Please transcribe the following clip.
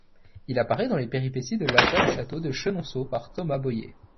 Il apparaît dans les péripéties de l'achat du château de Chenonceau par Thomas Bohier.